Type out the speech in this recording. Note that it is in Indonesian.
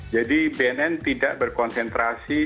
jadi bnn tidak berkonsentrasi